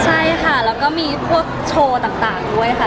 ใช่ค่ะแล้วก็มีพวกโชว์ต่างด้วยค่ะ